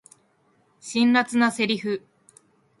辛辣なセリフ